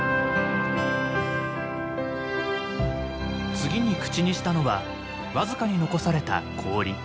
次に口にしたのは僅かに残された氷。